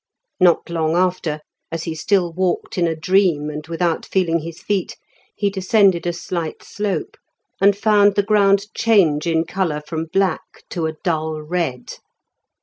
Not long after, as he still walked in a dream and without feeling his feet, he descended a slight slope and found the ground change in colour from black to a dull red.